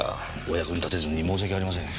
お役に立てずに申し訳ありません。